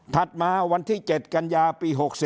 มาวันที่๗กันยาปี๖๔